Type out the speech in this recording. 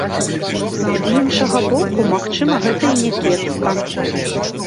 З іншага боку, магчыма, гэта і някепска.